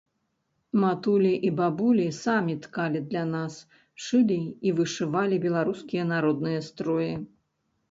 Матулі і бабулі самі ткалі для нас, шылі і вышывалі беларускія народныя строі.